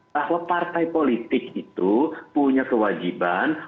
bahwa partai politik itu punya kewajiban